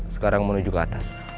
sekarang menuju ke atas